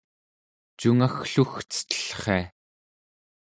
cungagglugcetellria